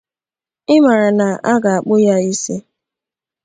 ị mara na a ga-akpụ ya isi